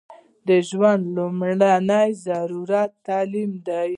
د ژوند لمړنۍ ضرورت تعلیم دی